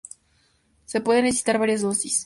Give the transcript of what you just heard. Se pueden necesitar varias dosis.